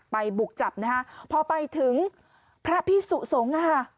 ไปบุกจับนะฮะพอไปถึงพระพิสุโสง่า